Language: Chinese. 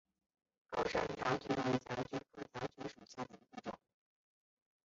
高山条蕨为条蕨科条蕨属下的一个种。